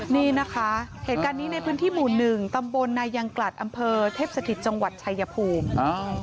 นี่นะคะเหตุการณ์นี้ในพื้นที่หมู่หนึ่งตำบลนายังกลัดอำเภอเทพสถิตจังหวัดชายภูมิ